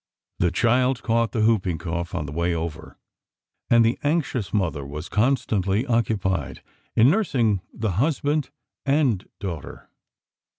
The child caught the whooping cough on the way over, and the anxious mother was constantly occupied in nursing the husband and daughter.